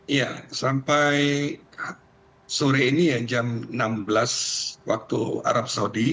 iya sampai sore ini ya jam enam belas waktu arab saudi